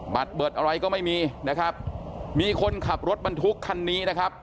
เบิดอะไรก็ไม่มีนะครับมีคนขับรถบรรทุกคันนี้นะครับ